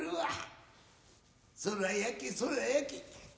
そら焼けそら焼け。